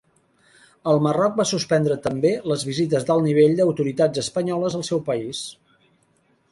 El Marroc va suspendre també les visites d'alt nivell d'autoritats espanyoles al seu país.